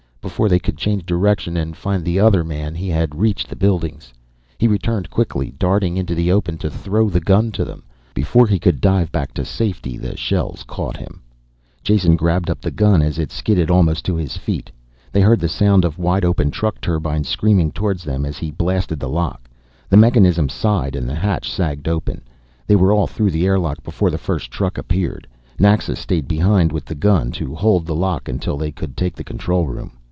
Before they could change direction and find the other man he had reached the buildings. He returned quickly, darting into the open to throw the gun to them. Before he could dive back to safety the shells caught him. Jason grabbed up the gun as it skidded almost to his feet. They heard the sound of wide open truck turbines screaming towards them as he blasted the lock. The mechanism sighed and the hatch sagged open. They were all through the air lock before the first truck appeared. Naxa stayed behind with the gun, to hold the lock until they could take the control room.